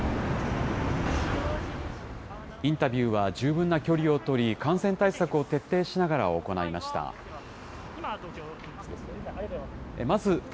インタビューは十分な距離を取り、感染対策を徹底しながら行いました。